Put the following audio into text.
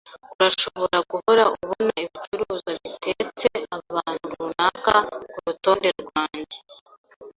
Urashobora guhora ubona ibicuruzwa bitetse ahantu runaka kurutonde rwanjye.